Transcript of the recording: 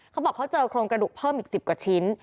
เขาบอกเขาเจอโครงกระดูกเพิ่มอีก๑๐กว่าชิ้น